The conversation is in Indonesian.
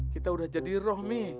kita udah jadi roh mi